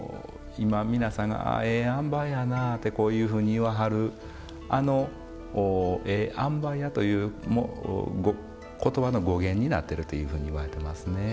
今皆さんが「ええ塩梅やな」ってこういうふうに言わはるあの「ええ塩梅や」という言葉の語源になってるというふうにいわれてますね。